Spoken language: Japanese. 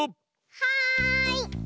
はい！